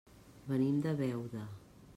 Venim de Beuda.